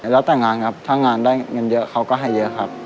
แล้วแต่งงานครับถ้างานได้เงินเยอะเขาก็ให้เยอะครับ